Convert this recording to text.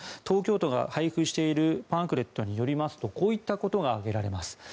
東京都が配布しているパンフレットによりますとこういったことが挙げられます。